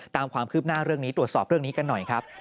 ตามความคืบหน้าเรื่องนี้ตรวจสอบเรื่องนี้กันหน่อยครับ